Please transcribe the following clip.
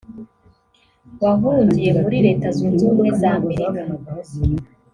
wahungiye muri Leta Zunze Ubumwe z’Amerika